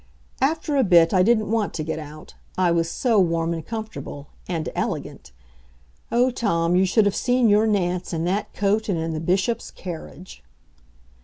After a bit I didn't want to get out, I was so warm and comfortable and elegant. O Tom, you should have seen your Nance in that coat and in the Bishop's carriage!